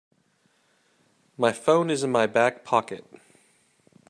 My phone is in my back pocket.